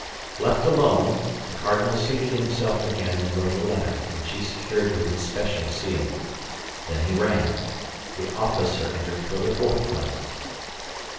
Left alone, the cardinal seated himself again and wrote a letter, which he secured with his special seal. Then he rang. The officer entered for the fourth time.